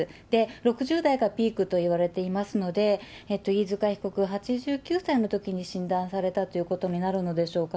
６０代がピークといわれていますので、飯塚被告、８９歳のときに診断されたということになるのでしょうか。